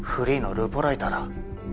ルポライター？